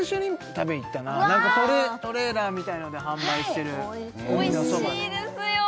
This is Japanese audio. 食べに行ったな何かトレーラーみたいので販売してる海のそばでおいしいですよね！